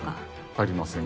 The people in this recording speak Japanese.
ありません。